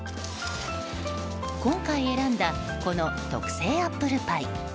今回選んだこの特製アップルパイ。